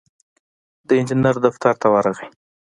د انجينر دفتر ته ورغی.